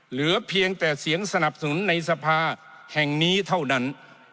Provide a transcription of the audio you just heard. เหลือเพียงแต่เสียงสนับสนุนในสภาแห่งนี้เท่านั้น